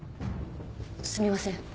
すみません。